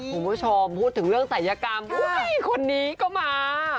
คุณผู้ชมพูดถึงเรื่องใส่ยากรรมคนนี้ก็มา